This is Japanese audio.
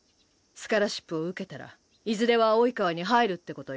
スカラシップを受けたらいずれは「生川」に入るってことよ。